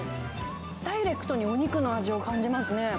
ダイレクトにお肉の味を感じますね。